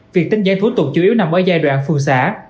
việc tính giải thủ tục chủ yếu nằm ở giai đoạn phường xã